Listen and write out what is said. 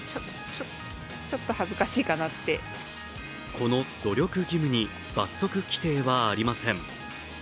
この努力義務に罰則規定はありません。